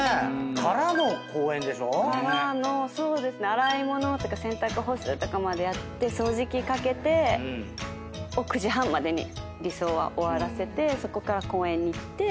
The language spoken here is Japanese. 洗い物とか洗濯干すとかまでやって掃除機かけてを９時半までに理想は終わらせてそこから公園に行って。